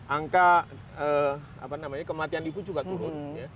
angka apa namanya kematian ibu juga turun